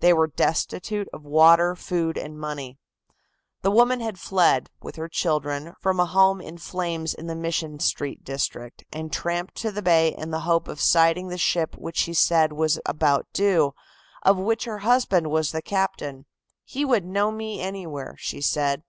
They were destitute of water, food and money. The woman had fled, with her children, from a home in flames in the Mission Street district, and tramped to the bay in the hope of sighting the ship which she said was about due, of which her husband was the captain. "He would know me anywhere," she said.